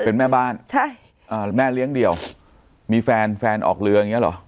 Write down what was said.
เป็นแม่บ้านใช่อ่าแม่เลี้ยงเดี่ยวมีแฟนแฟนออกเรืออย่างเงี้เหรอ